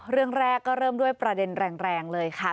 เรื่องแรกก็เริ่มด้วยประเด็นแรงเลยค่ะ